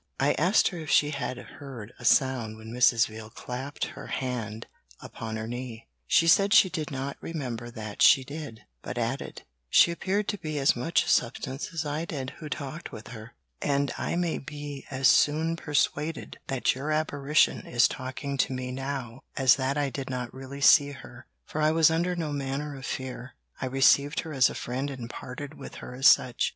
"' 'I asked her if she had heard a sound when Mrs. Veal clapped her hand upon her knee; she said she did not remember that she did, but added: "She appeared to be as much a substance as I did, who talked with her; and I may be as soon persuaded that your apparition is talking to me now as that I did not really see her, for I was under no manner of fear; I received her as a friend and parted with her as such.